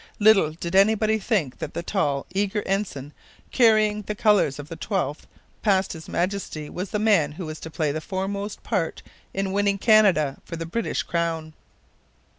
Little did anybody think that the tall, eager ensign carrying the colours of the 12th past His Majesty was the man who was to play the foremost part in winning Canada for the British crown.